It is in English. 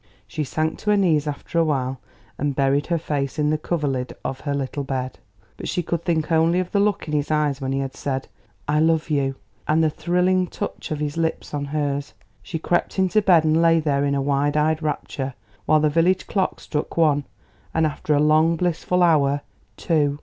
She sank to her knees after awhile and buried her face in the coverlid of her little bed. But she could think only of the look in his eyes when he had said "I love you," and of the thrilling touch of his lips on hers. She crept into bed and lay there in a wide eyed rapture, while the village clock struck one, and after a long, blissful hour, two.